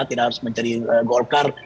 tidak harus menjadi golkar